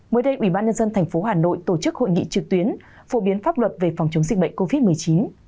mới đây ubnd tp hà nội tổ chức hội nghị trực tuyến phổ biến pháp luật về phòng chống dịch bệnh covid một mươi chín